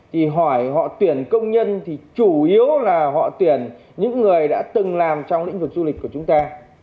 thì hỏi họ tuyển công nhân thì chủ yếu là họ tuyển những người đã từng làm trong lĩnh vực du lịch của chúng ta